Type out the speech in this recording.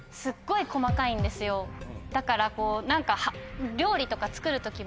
だから何か。